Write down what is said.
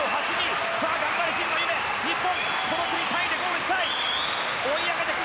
頑張れ、神野ゆめ日本この組３位でゴールしたい。